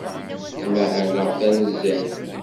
Ttmahaleɣ tanezzayt.